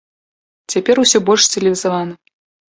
Цяпер усё больш цывілізавана.